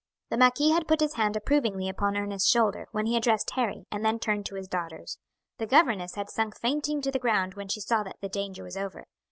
The marquis had put his hand approvingly upon Ernest's shoulder when he addressed Harry, and then turned to his daughters. The governess had sunk fainting to the ground when she saw that the danger was over.